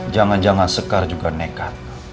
jangan jangan sekar juga nekat